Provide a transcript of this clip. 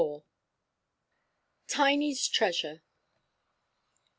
TINY'S TREASURE.